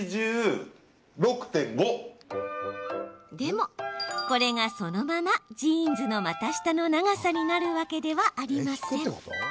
でも、これがそのままジーンズの股下の長さになるわけではありません。